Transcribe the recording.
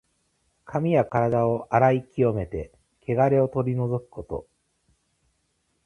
髪やからだを洗い清めて、けがれを取り除くこと。